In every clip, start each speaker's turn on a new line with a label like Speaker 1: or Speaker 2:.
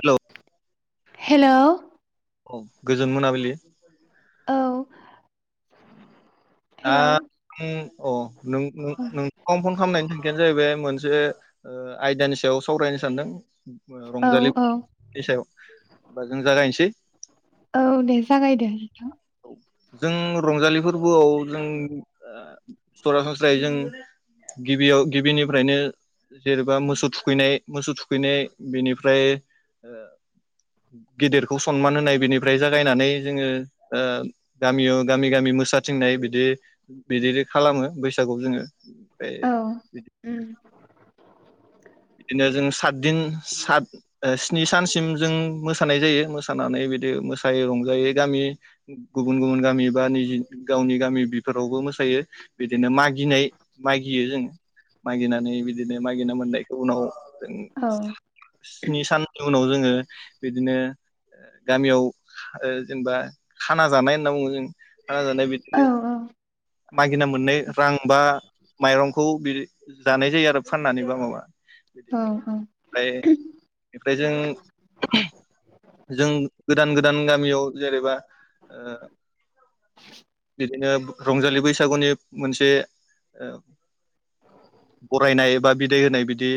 Speaker 1: Hello
Speaker 2: hello
Speaker 1: औ गोजोन मोनाबिलि
Speaker 2: औ
Speaker 1: दा
Speaker 2: हेलौ
Speaker 1: अ
Speaker 2: औ
Speaker 1: नोंथांनाव फन खालामनायनि थांखियानो जाहैबाय मोनसे मोनसे आयदानि सायाव सावरायनो सानदों
Speaker 2: औ औ
Speaker 1: रंजालिनि सायाव बा जों जागायनोसै
Speaker 2: औ दे जागायदे [unintelligible]
Speaker 1: जों रंजालिफोर फोरबोआव जों ओ सरासनस्रायै जों गिबियाव गिबिनिफ्रायनो जेनेबा मोसौ थुखैनाय मोसौ थुखैनाय बेनिफ्राय ओ गेदेरखौ सनमान होनाय बेनिफ्राय जागायनानै जोङो ओ गामियाव गामि गामि मोसाथिंनाय बिदि बिदि खालामो बैसागु जोङो फाय बिदि
Speaker 2: उम
Speaker 1: बिदिनो जों सातदिन सात स्नि सानसिम जों मोसानाय जायो मोसानानै बिदि मोसायोै रंजायै गामि गुबुन गुबुन गामि बा निजि गावनि गामि बिफोरावबो मोसायो बिदिनो मागिनाय मागियो जोङो मागिनानै बिदिनो मागिनो मोननाय खो उनाव [unintelligible]
Speaker 2: औ
Speaker 1: स्नि साननि उनाव जोङो बिदिनो गामियाव ओ जेनेबा खाना जानाय होनना बुङो जों खाना जानाय बिदिनो मागिना मोननाय रां बा माइरंखौ बिदि जानाय जायो आरो फाननानै बा माबा [inaudible]
Speaker 2: औ औ
Speaker 1: ओमफ्राय ओमफ्राय जों जों गोदान गोदान गामियाव जेनेबा ओ बिदिनो रंजालि बैसागुनि मोनसे ओ बरायनाय बा बिदाय होनाय बिदि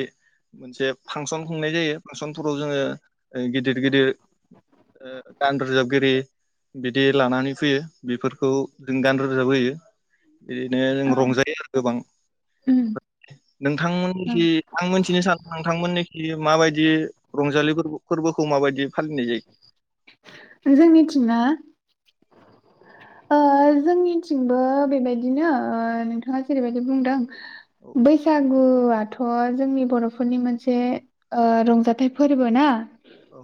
Speaker 1: मोनसे फांसन खुंनाय जायो फांसनफोराव जोङो गिदिर गिदिर ओ गान रोजाबगिरि बिदि लानानै फैयो बेफोरखौ जों गान रोजाब होयो। बिदिनो जों
Speaker 2: औ
Speaker 1: रंजायो आरो
Speaker 2: उम
Speaker 1: गोबांओम
Speaker 2: औ
Speaker 1: नोंथांमोननिखि आं मिथिनो सानो नोंथांमोननिखि माबायदि रंजालि फोरबोखौ माबायदि फालिनाय जायो
Speaker 2: जोंनिथिंना ओ जोंनिथिंबो बेबायदिनो ओ नोंथाङा जेरैबायदि बुंदों
Speaker 1: औ
Speaker 2: बैसागु आथ थ' जोंनि बर'फोरनि मोनसे ओ रंजाथाइ फोरबो ना
Speaker 1: औ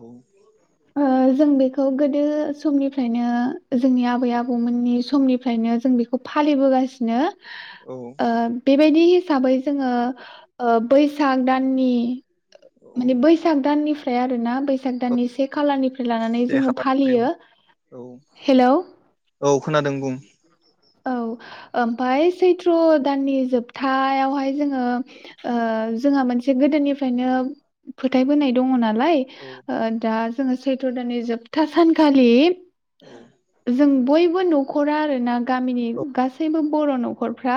Speaker 2: ओ जों बेखौ गोदो समनिफ्रायनो जोंनि आबै आबौमोननि समनिफ्रायनो जों बेखौ फालिबोगासिनो
Speaker 1: औ
Speaker 2: ओ बे बेबायदि हिसाबै जोङो ओ बैसाग दाननि
Speaker 1: औ
Speaker 2: माने बैसाग दाननिफ फ्राय आरोना बैसाग
Speaker 1: औ
Speaker 2: दाननि से खालारनिफ्राय लानानै
Speaker 1: से
Speaker 2: जोङो
Speaker 1: खालारनिफ्राय
Speaker 2: फालियो
Speaker 1: औ
Speaker 2: हेलौ
Speaker 1: औ खोनादों [inaudible]
Speaker 2: औ ओमफाय सैथ्र' दाननि जोबथायावहाय जोङो ओ जोंहा मोनसे गोदोनिफ्रायनो फोथायबोनाय दङ ना लाय
Speaker 1: औ
Speaker 2: ओ दा जोङो सैथ्र' दाननि जोबथा सानखालि जों बयबो न'खरा आरोना गामिनि
Speaker 1: औ
Speaker 2: गासैबो बर' न'खरफ्रा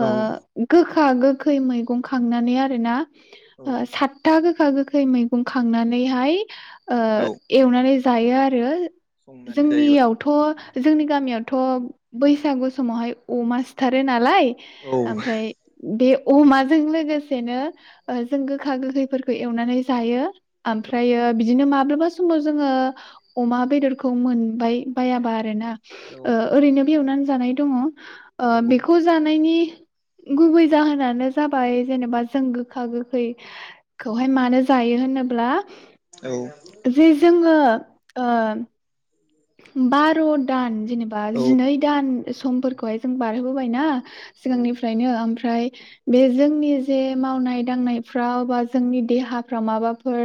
Speaker 2: ओ
Speaker 1: औ
Speaker 2: गोख खा गोखै मैगं खांनानै आरोना
Speaker 1: औ
Speaker 2: आ सातता गोखा गोखै मैगं खांनानैहाय ओ
Speaker 1: औ
Speaker 2: एवनानै जायो आरो
Speaker 1: संनानै जायोबा
Speaker 2: जोंनियावथ' जोंनि गामियावथ' बैसागु समावहाय अमा सिथारो नालाय
Speaker 1: औ
Speaker 2: ओमफ्राय बे अमाजों लोगोसेनो ओ जों गोखा गोखैफोर एवनानै जायो ओमफ्रायो बिदिनो मा माब्लाबा समाव जोङो अमा बेदरखौ मोनबाय बायाबा आरो ना
Speaker 1: औ
Speaker 2: ओरैनो एवनानै जानाय दङ ओ
Speaker 1: औ
Speaker 2: बेखौ जानायनि गुबै जाहोनानो जाबाय जेनेबा जों गोखा गोखैखौहाय मानो जायो होनोब्ला
Speaker 1: औ
Speaker 2: जे जोङो आ बार' दान जेनेबा
Speaker 1: औ
Speaker 2: जिनै दान समफोरखौहाय जों बारह होबायना सिगांनिफ्रायनो ओमफ्रा फ्राय बे जोंनि जे मावनाय दांनाय फ्राव बा जोंनि देहाफ्राव माबाफोर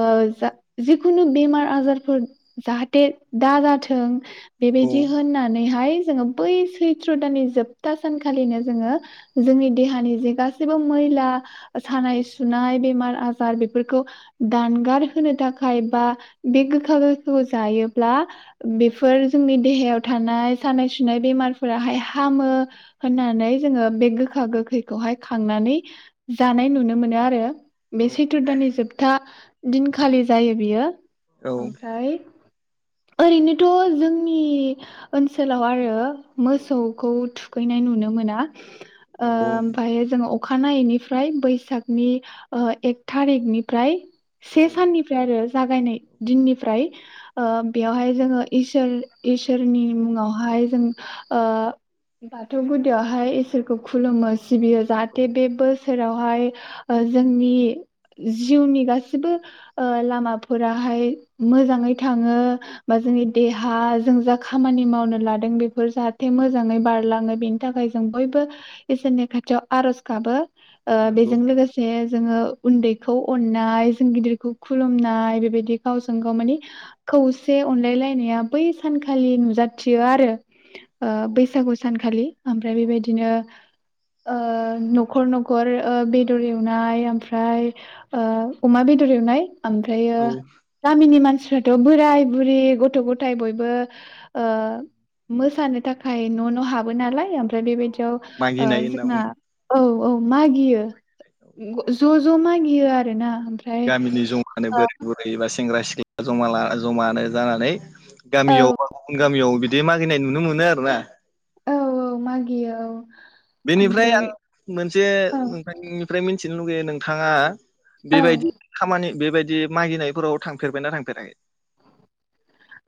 Speaker 2: ओ जा जिखुनु बेमार आजारफोर जाहाथे दा जाथों बेबायदि
Speaker 1: औ
Speaker 2: होननानैहाय जोङो बै सैथ्र' दाननि जोबथा सानखालिनो जोङो जोंनि देहानि जे गासैबो मैला सानाय सुनाय बेमार आजार बेफोरखौ दानगार होनो थाखाय बा बे गोखा गोखै खौ जायो ब्ला बेफोर जोंनि देहायाव थानाय सानाय सुनाय बेमारफोराहाय हामो होननानै जोङो बे गोखा गोखैखौहाय खांनानै जानाय नुनो मोनो आरो। बे सैथ्र' दाननि जोबथा दिनखालि जायो बियो।
Speaker 1: औ औ
Speaker 2: ओमफ्राय ओरैनोथ' जोंनि ओनसोलाव आरो मोसौखौ थु खैनाय नुनो मोना। ओ ओमफायो जोङो अक खानायैनिफ्राय बैसागनि ओ एक थारिकनिफ्राय से साननिफ्राय आरो जागायनाय दिननिफ्राय ओ बेयावहाय जोङो इस सोर इसोरनि मुङाव हाय जों ओ बाथौ गुदियावहाय जों इसोरखौ खुुलुमो सिबियो जाहाथे बे बोसोराव फाय ओ जोंनि जिउनि गासिबो ओ लामाफोराहाय मोजाङै थाङो बा जोंनि देहाज जों जा खामानि मावनो लादों बेफोर जाहाथे मोजाङै बारलाङो बेनि थाखाय जों बयबो इसोरनि खाथियाव आर'ज गाबो। ओ
Speaker 1: नंगौ
Speaker 2: बेजों लोगोसे जोङो उन्दै खौ अनाय जों गिदिरखौ खुलुम नाय बेबायदि गावजों गाव माने खौसे अनलायलायनाया बै सानखालि नुजाथियो आरो ओ
Speaker 1: औ
Speaker 2: बैसागु सानखालि ओमफ्राय
Speaker 1: औ
Speaker 2: बेबायदिनो ओ न नखर नखर बेदर एवनाय ओमफ्राय ओ अमा बेदर एवनाय ओमफ्रायो गामिनि मानसि बोराय बुरि गथ' गथाय बयबो मोसानो थाखाय न' न' हाबो नालाय ओमफ्राय बेबायदियाव ओ
Speaker 1: मागिनाय होनना
Speaker 2: जोंना
Speaker 1: बुङो
Speaker 2: औ औ मागियो [unintelligible] ज' मागियो आरोना। ओमफ्राय
Speaker 1: गामिनि ज' बोराय
Speaker 2: ओ
Speaker 1: बुरै बा सेंग्रा सि जमा लाना जमानो जानानै
Speaker 2: औ
Speaker 1: गामियावबा गुबुन गामियाव बिदि दे मागिनाय नुनो मोनो आरोना।
Speaker 2: औ औ मागियो औ।
Speaker 1: बेनिफ्राय आं
Speaker 2: ओमफ्राय
Speaker 1: मोनसे
Speaker 2: औ
Speaker 1: नोंथांनिफ्राय मिथिनो लुगैयो नों थांङा
Speaker 2: औ
Speaker 1: बेबायदि खामानि बेबायदि मागिनायफोराव थांफेरबायना थांफेराखै?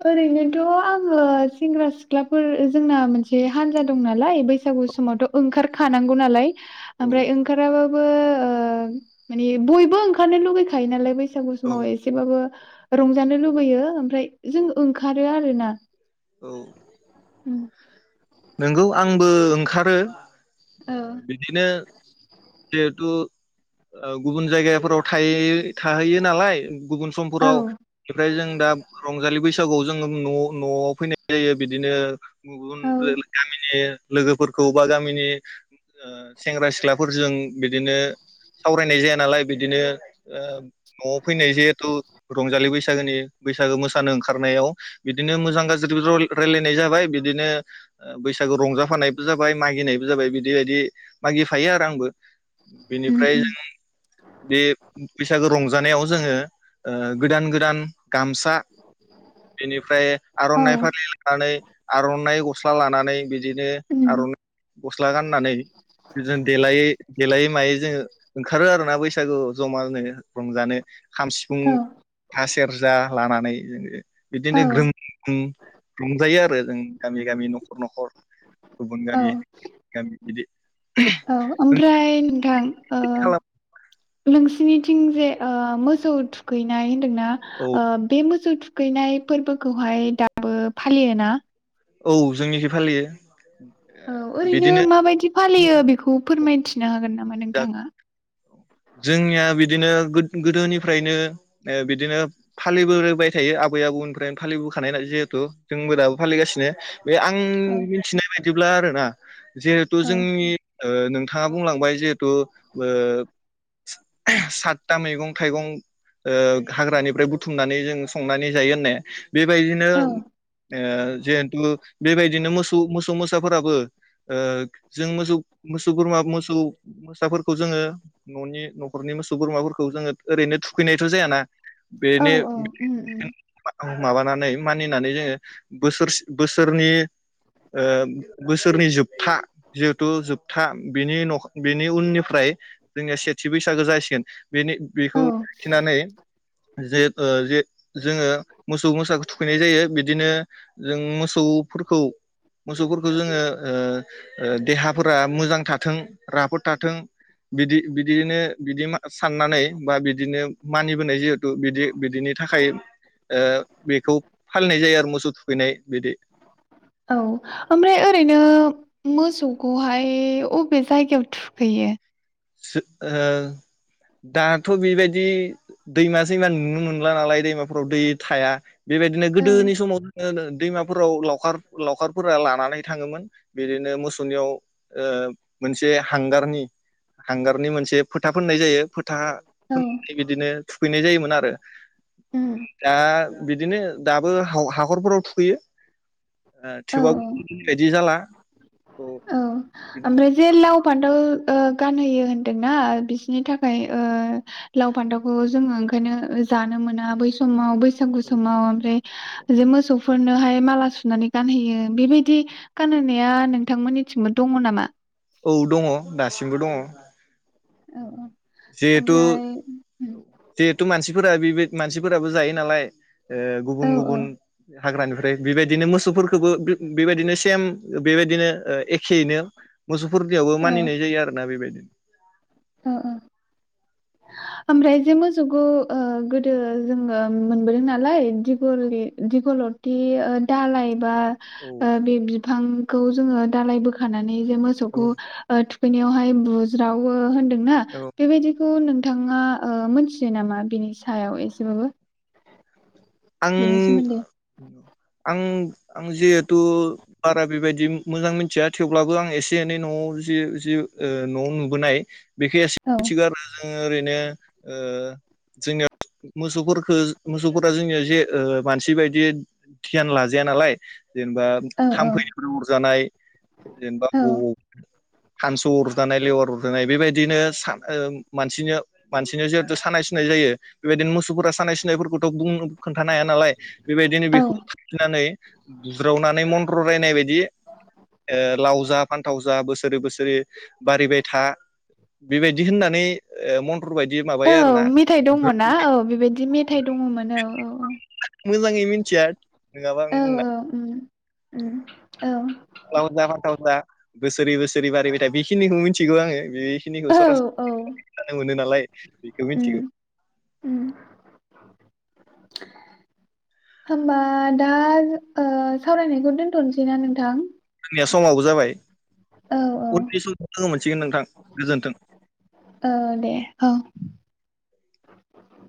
Speaker 2: ओरैनोथ' आङो सेंग्रा सिख्लाफोर जोंना मोनसे हानजा दं नालाय बैसागु समावथ' ओंखारखानांगौ नालाय।
Speaker 1: औ
Speaker 2: ओमफ्राय ओंखाराबा बो माने बयबो ओंखारनो लुबैखायो नालाय बैसागु
Speaker 1: औ
Speaker 2: समाव एसेबाबो रंजानो लुबैयो ओमफ्राय जों
Speaker 1: औ
Speaker 2: ओंखारो आरोना। [inaudible]
Speaker 1: औ।
Speaker 2: उम
Speaker 1: नंगौ आंबो ओंखारो।
Speaker 2: औ
Speaker 1: बिदिनो जिहेथु ओ गुबुन जायगाफोराव थाय थाहैयो नालाय। गुबुन समफोराव ओमफ्राय जों दा रंजालि बैसाग बैसागुआव जोङो न' न'आव फैनाय जायो बिदिनो। गुबुन
Speaker 2: औ
Speaker 1: गामिनि लोगोफोरखौ बा गामिनि सेंग्रा सिख्लाफोरजों बिदिनो सावरायनाय जाया नालाय बिदिनो न'आव फैनाय जिहेथु रंजालि बैसागोनि बैसागो मोसानो ओंखारनायाव बिदिनो मोजां गाज्रि रायलायनाय जाबाय बिदिनो ओ बैसागो रंजाफानायबो जाबाय। मागिनायबो जाबाय बिदि बायदि मागि फायो आरो आंबो।
Speaker 2: उम
Speaker 1: बेनिफ्राय
Speaker 2: उम
Speaker 1: जों बे बैसागो रंजानायाव जोङो ओ गोदान गोदान गामसा बेनिफ्राय
Speaker 2: औ
Speaker 1: आर'नाइ फारि लानानै आर'नाइ ग लानानै। बिदिनो
Speaker 2: उम
Speaker 1: आर'नाइ गस्ला गाननानै बिनो देलायै देलायै मायै जोङो ओंखारो आरो। बैसागु जमानो रंजानो। खाम, सिफुं,
Speaker 2: औ
Speaker 1: जथा सेरजा लानानै। [inaudible] बिदिनो
Speaker 2: औ
Speaker 1: ग्रोम गोम रंजायो आरो जों। गामि गामि न'खर न'खर। गुबुन
Speaker 2: औ
Speaker 1: गामि गामि बिदि
Speaker 2: औ ओमफ्राय नोंथां
Speaker 1: खालाम
Speaker 2: सिनिथिं जे मोसौ थुखैनाय होनदोंना
Speaker 1: औ
Speaker 2: ओ बे मोसौ थु थुखैनाय फोरबोखौहाय दाबो फालियो ना
Speaker 1: औ जोंनिखि फालियो
Speaker 2: औ ओरैनो
Speaker 1: बिदिनो
Speaker 2: माबायदि फालियो बेखौ फोरमायथिनो हागोन नामा
Speaker 1: जा
Speaker 2: नोंथाङा
Speaker 1: जोंनिया बिदिनो गोदोनिफ्रायनो बिदिनो फालिबोबाय थायो आबै आबौनिफ्रायनो फालिबोखानाय जिहेथु जोंबो दाबो फालिगासिनो बे आं
Speaker 2: औ
Speaker 1: मिथिनाय बायदि बिदिब्ला आरो ना जिहेथु
Speaker 2: औ
Speaker 1: जोंनि ओ नोंथाङा बुंलांबाय जे थु ओ सातथा मैगं थाइगं ओ हाग्रानिफ्राय बुथुमनानै जों संनानै जायो होनाय बेबायदिनो
Speaker 2: औ
Speaker 1: ओ जिहेथु बेबायदिनो मोसौ मोसौ मोस साफोराबो ओ जों मोसौ मोसौ बोरमा मोसौ मोसाफोरखौ जोङो न'नि न'खरनि मोसौ बोरमाफोरखौ जोङो ओरैनो थुखैनायथ' जायाना
Speaker 2: औ
Speaker 1: बेनि
Speaker 2: उम उम
Speaker 1: माबानानै मानि होननानै जोङो बोर बोसोरनि बोसोरनि जोबथा जिहेथु जोबथा बिनि न बेनि उननिफ्राय जोंनिया सेथि बैसागो जासिगोन बेनि
Speaker 2: औ
Speaker 1: बेखौ लाखिनानै जे ओ जे जोङो मोसौ मोसाखौ थुखैनाय जायो बिदिनो जों मोसौफोरखौ मोसौफोरखौ जोङो ओ ओ देहाफोरा मोजां थाथों राफोद थाथों बिदि बिदिनो बिदि साननानै बा बिदिनो मानिबोनाय जिहेथु बिदि बिदिनि थाखाय ओ बेखौ फालिनाय जायो आरो मोसौ थुखैनाय बिदि
Speaker 2: औ ओमफ्राय ओरैनो मोसौखौहाय अबे जायगायाव थुखैयो
Speaker 1: ओ दाथ' बेबायदि दैमा दैमा नुनो मोनला नालाय दैमाफोराव दै थाया बेबायदिनो
Speaker 2: औ
Speaker 1: गोदोनि समाव [unintelligible] दैमाफोराव लावखार लावखारफोरा लानानै थाङोमोन बिदिनो मोसौनियाव ओ मोनसे हांगारनि हांगारनि मोनसे फोथा फोननाय जायो। फो था
Speaker 2: औ
Speaker 1: फोननानै बिदिनो थुखैनाय जायोमोन आरो।
Speaker 2: उम
Speaker 1: दा बिदिनो दाबो हाव-हाखरफोराव थुखैयो ओ
Speaker 2: औ
Speaker 1: थेवबाव [inaudible] जाला
Speaker 2: औ ओमफ्राय जे लाव फान्थाव ओ गानहोयो होनदोंना बिसोरनि थाखाय ओ लाव फान्थावखौ जोङो ओंखायनो जानो मोना बै समाव बै सागु समाव ओमफ्राय जे मोसौफोर नोहाय माला सुनानै गानहोयो बेबायदि गानहोनाया नोंथांमोननिथिंबो दङ नामा?
Speaker 1: औ दङ दासिमबो दङ।
Speaker 2: औ औ
Speaker 1: जिहेथु
Speaker 2: ओमफ्राय
Speaker 1: जिहेथु मानसिफोरा बे बाय मानसिफोराबो जायो नालाय। ओ
Speaker 2: औ
Speaker 1: गुबुन गुबुन हाग्रानिफ्राय बेबायदिनो मोसौफोर खौबो बे-बेबायदिनो सेम बेबायदिनो ओ एखे यैनो मोसौफोरनियावबो मानिनाय जायो आरोना बेबायदि।
Speaker 2: अ अ। ओमफ्राय जे मोसौखौ ओ गोदो जोङो मोनबोदों नालाय दिगलिथि ओ दालाय बा
Speaker 1: औ
Speaker 2: बे बिफांखौ जोङो दालाय बोखाना नै जे
Speaker 1: औ
Speaker 2: मोसौखौ ओ थु खैनायावहाय बुज्रावो होन दोंना
Speaker 1: औ
Speaker 2: बेबायदि खौ नों थाङा ओ मोनथियो नामा बिनि सायाव एसेबाबो।
Speaker 1: आं
Speaker 2: बेनि सोमोन्दै
Speaker 1: आं आं जिहेथु बारा बेबायदि मोजां मिथिया थेवब्लाबो आं एसे एनै न'आव जि जि ओ न'आव नुबोनाय [unintelligible]
Speaker 2: औ
Speaker 1: ओरैनो औ जोंनियाव मोसौफोरा मौसौफोरखौ जोंनि जे मानसि बायदि ध्ययान लाजाया नालाय जेनेबा
Speaker 2: औ औ
Speaker 1: थाम्फैफोर अरजानाय जेनेबा
Speaker 2: औ
Speaker 1: ओ फानसु अरजानाय लेवार अरजानाय बेबायदिनो मानसि मानसिनो जिहेथु सानाय सुनाय जायो बेबायदिनो मोसौफोरा सानाय सुनायफोरखौथ' बुंनो खोनथानो हाया नालाय बेबायदिनो
Speaker 2: औ
Speaker 1: बेखौ बुज्रावनानै [inaudible] बिदि लाव जा फानथाव जा बोसोरै बोसोरै बारिबाय था। बेबायदि होननानै मन्थ्रर बायदि माबायो
Speaker 2: औ
Speaker 1: आरोना [inaudible]
Speaker 2: मेथाइ दङ ना औ बेबायदि मेथाइ दङमोन औ औ
Speaker 1: मोजांङै मोन्थिया। नङाबा आं
Speaker 2: औ
Speaker 1: बुंना
Speaker 2: औ उम उम औ
Speaker 1: लावज जा फाथाव जा बोसोरै बोसोरै बारायबायथा बेखिनिखौ मिथिगौ आङो। बे खिनिखौ
Speaker 2: औ
Speaker 1: सरा
Speaker 2: औ
Speaker 1: [unintelligible] मोनो नालाय बेखौ
Speaker 2: उम
Speaker 1: मिनथिगौ।
Speaker 2: उम होमबा दा जो ओ सावरायनायखौ दोनथ'सैना नोंथां?
Speaker 1: जोंनिया समावबो जाबाय उननि समाव [inaudible] गोजोन्थों।
Speaker 2: ओ दे औ। [inaudible]